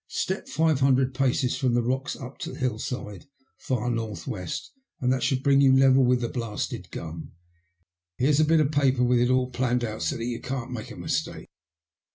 Step five hundred paces from the rocks up the hillside fair north west, and that should bring you level with the blasted gum. Here's a bit of paper with it all planned out so that you can't make a mistake."